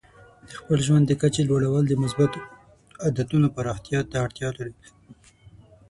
د خپل ژوند د کچې لوړول د مثبتو عادتونو پراختیا ته اړتیا لري.